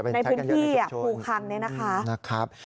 ในพื้นที่หูคัน